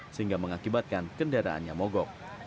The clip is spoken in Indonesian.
sehingga mengakibatkan kendaraannya mogok